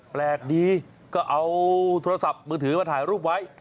แปลกดีก็เอาโทรศัพท์มือถือมาถ่ายรูปไว้